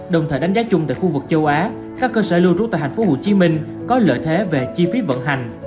đồng thời đánh giá chung tại khu vực châu á các cơ sở lưu trú tại thành phố hồ chí minh có lợi thế về chi phí vận hành